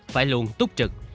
phải luôn túc trực